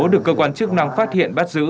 được cơ quan chức năng phát hiện bắt giữ